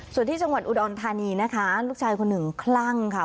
ส่วนที่จังหวัดอุดรธานีนะคะลูกชายคนหนึ่งคลั่งค่ะ